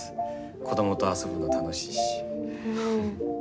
子どもと遊ぶの楽しいし。